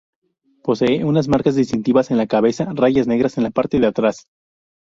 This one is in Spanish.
Posee unas marcas distintivas en la cabeza, rayas negras en la parte de atrás.